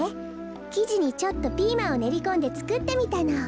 きじにちょっとピーマンをねりこんでつくってみたの。